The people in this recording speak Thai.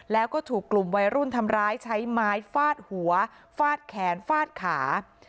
แล้วก็ถูกกลุ่มวัยรุ่นทำร้ายใช้ไม้ฟาดหัวฟาดแขนฟาดขา